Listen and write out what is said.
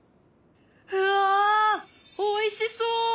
うわおいしそう！